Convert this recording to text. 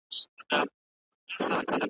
په چل ول کي بې جوړې لکه شیطان وو .